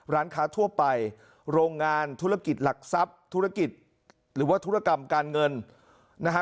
ร้านค้าทั่วไปโรงงานธุรกิจหลักทรัพย์ธุรกิจหรือว่าธุรกรรมการเงินนะฮะ